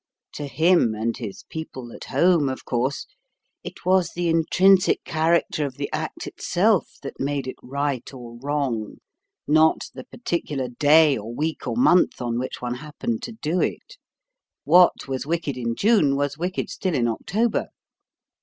To him and his people at home, of course, it was the intrinsic character of the act itself that made it right or wrong, not the particular day or week or month on which one happened to do it. What was wicked in June was wicked still in October.